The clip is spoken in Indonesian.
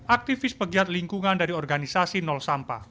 aktivis pegiat lingkungan dari organisasi nol sampah